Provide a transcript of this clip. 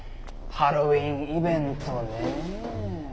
ハロウィンイベントねえ。